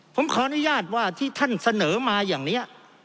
ผมขออนุญาตว่าที่ท่านเสนอมาอย่างนี้